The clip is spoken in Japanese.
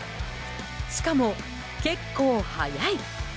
しかも結構速い。